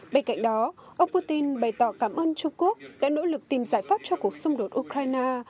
bên cạnh đó ông putin bày tỏ cảm ơn trung quốc đã nỗ lực tìm giải pháp cho cuộc xung đột ukraine